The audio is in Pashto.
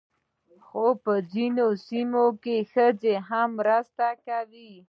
خو په ځینو سیمو کې ښځې هم مرسته کوي.